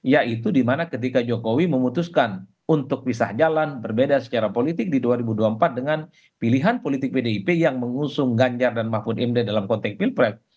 yaitu dimana ketika jokowi memutuskan untuk pisah jalan berbeda secara politik di dua ribu dua puluh empat dengan pilihan politik pdip yang mengusung ganjar dan mahfud md dalam konteks pilpres